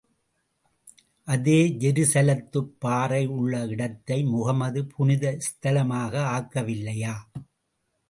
அதே ஜெருசலத்துப் பாறை உள்ள இடத்தை முகமது புனித ஸ்தலமாக ஆக்கவில்லையா?